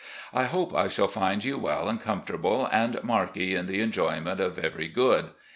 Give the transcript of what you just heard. I hope I shall find you well and comfortable, and Markie in the enjo5mient of every good.